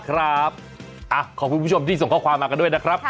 ขอบคุณผู้ชมที่ส่งข้อความมากันด้วยนะครับ